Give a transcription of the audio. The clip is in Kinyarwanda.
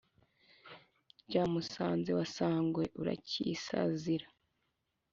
rya musanze wa sangwe urakisazira.